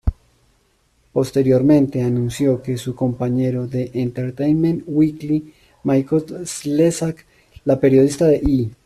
Posteriormente anunció que su compañero en Entertainment Weekly Michael Slezak, la periodista de E!